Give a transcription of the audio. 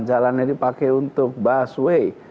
jalan ini pakai untuk busway